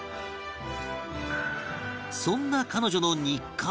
そんな彼女の日課は